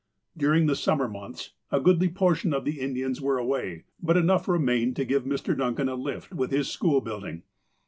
During the summer months a goodly portion of the In dians were away, but enough remained to give Mr. Dun can a lift with his school building.